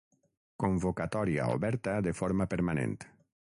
Convocatòria oberta de forma permanent.